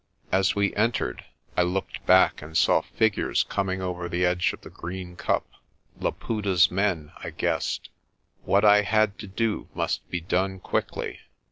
As we entered I looked back, and saw figures coming over the edge of the green cup Laputa's men, I guessed. What I had to do must be done quickly.